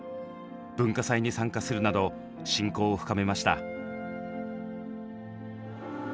文化祭に参加するなど親交を深めました。